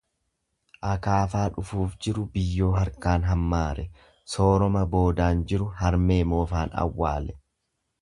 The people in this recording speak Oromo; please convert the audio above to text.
Akaafaa dhufuuf jiru biyyoo harkaan hammaare, sooroma boodaan jiru harmee moofaan awwaale.